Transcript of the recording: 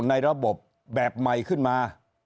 ในระบบแบบใหม่ขึ้นมา